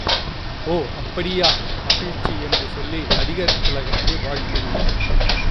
ஓ அப்படியா மகிழ்ச்சி என்று சொல்லி நடிகர் திலகத்தை வாழ்த்தினார்.